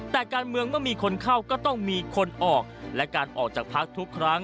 ต้องมีคนออกและการออกจากพักธุ์ทุกครั้ง